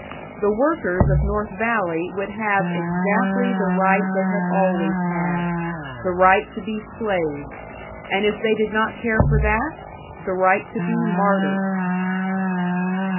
The workers of North Valley would have exactly the right they had always had the right to be slaves, and if they did not care for that, the right to be martyrs!